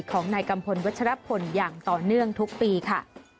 ของนายกัมพลวัชรพลอย่างต่อเนื่องทุกปีค่ะ